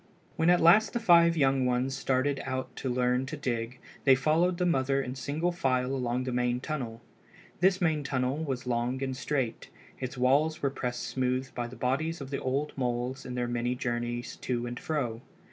When at last the five young ones started out to learn to dig they followed the mother in single file along the main tunnel. This main tunnel was long and straight. Its walls were pressed smooth by the bodies of the old moles in their many journeys to and fro.